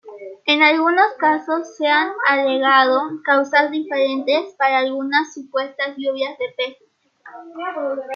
En algunos casos, se han alegado causas diferentes para algunas supuestas lluvias de peces.